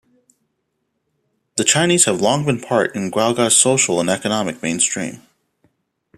The Chinese have long been part in Guagua's social and economic mainstream.